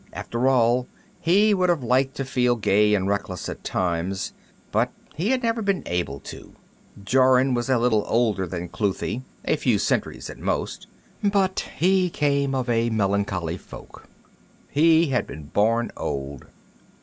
After all, he would have liked to feel gay and reckless at times, but he had never been able to. Jorun was little older than Cluthe a few centuries at most but he came of a melancholy folk; he had been born old.